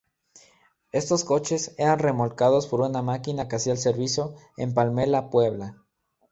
Estos coches eran remolcados por una máquina que hacía el servicio Empalme-La Puebla.